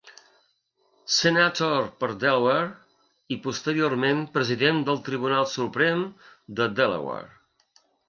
Senator per Delaware i posteriorment President del Tribunal Suprem de Delaware.